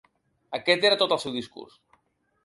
Aquest era tot el teu discurs.